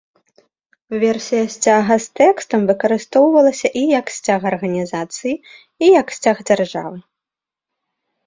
Версія сцяга з тэкстам выкарыстоўвалася і як сцяг арганізацыі, і як сцяг дзяржавы.